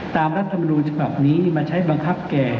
ตามรัฐมนุนฉภาพนี้มาใช้บังคับแก่